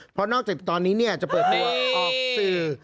อย่างนอกจากตอนนี้เนี่ยจะเปิดตัวออกสื่อ